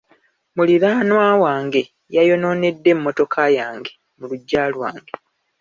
Muliraanwa wange yayonoonedde emmotoka yange mu luggya lwange.